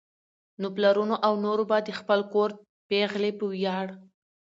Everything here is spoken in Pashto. نو پلرونو او نورو به د خپل کور پېغلې په وياړ